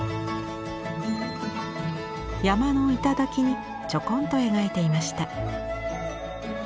山の頂にちょこんと描いていました。